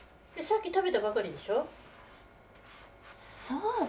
さっき食べたばかりでしょう？